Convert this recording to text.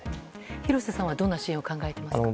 廣瀬さんはどんな支援を考えていますか？